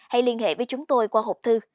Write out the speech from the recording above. hãy liên hệ với chúng tôi qua hộp thư